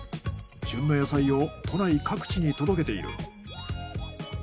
旬の野菜を都内各地に届けている。